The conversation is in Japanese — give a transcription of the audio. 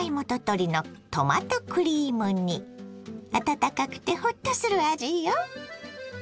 温かくてホッとする味よ。